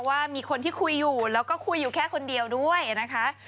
ว่ามีคนที่คุยอยู่แล้วก็คุยอยู่แค่คนเดียวด้วยนะคะ